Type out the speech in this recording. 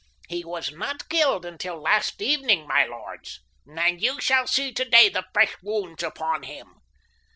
"He was not killed until last evening, my lords, and you shall see today the fresh wounds upon him.